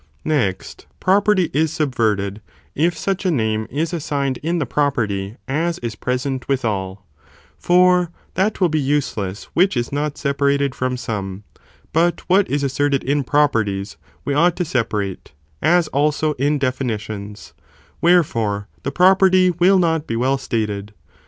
Next, property is subverted, if sucha name is , assigned ; in the property as is present with all, for bein the a that will be useless which is not separated from Pemy, which is some, but what is asserted in properties, we ought to separate, as also in definitions, wherefore, the property will not be well stated.